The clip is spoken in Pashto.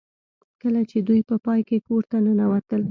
کله چې دوی په پای کې کور ته ننوتل